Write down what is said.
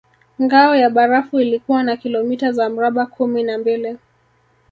Ngao ya barafu ilikuwa na kilomita za mraba kumi na mbili